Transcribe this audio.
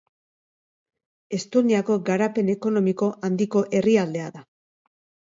Estoniako garapen ekonomiko handiko herrialdea da.